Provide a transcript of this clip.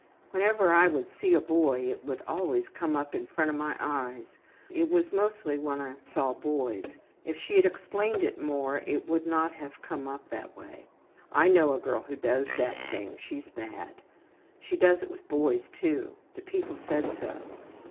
Whenever I would see a boy it would always come up in front of my eyes. It was mostly when I saw boys. If she had explained it more it would not have come up that way. I know a girl who does that thing. She's bad. She does it with boys too. The people said so.